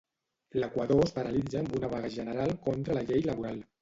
L'Equador es paralitza amb una vaga general contra la llei laboral.